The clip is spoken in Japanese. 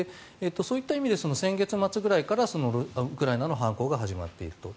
そういうことで先月末くらいからウクライナの反攻が始まっていると。